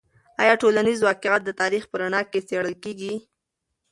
آیا ټولنیز واقعیت د تاریخ په رڼا کې څیړل کیږي؟